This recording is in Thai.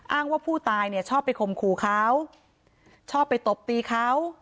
อ้างว่าผู้ตายชอบไปคมคู่เขาชอบไปตบตีเขา